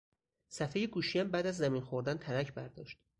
صفحه گوشیام بعد از زمین خوردن ترک برداشت